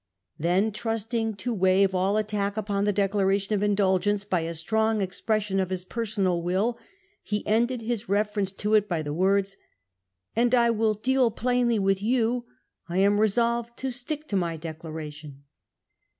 Then, trusting to waive all attack upon the resolves to Declaration of Indulgence by a strong ex* iSaSation* P ress * on °f his personal will, he ended his of in reference to it by the words : 1 And I will deal February plainly with you, I am resolved to stick to i 6 73 my Declaration.